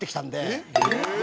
えっ？